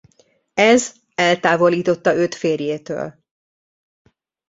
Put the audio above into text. Ez eltávolította őt férjétől.